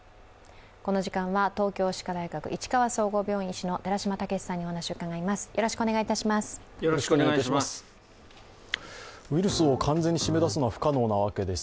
この時間は東京歯科大学市川総合病院医師の寺嶋毅さんにお話を伺います。